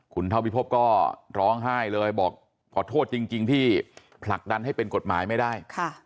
คุณเท่าพิพบก็ร้องไห้เลยบอกขอโทษจริงที่ผลักดันให้เป็นกฎหมายไม่ได้